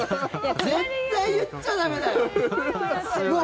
絶対言っちゃ駄目だよ。